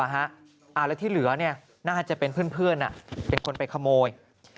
แล้วที่เหลือน่าจะเป็นเพื่อนเป็นคนไปขโมย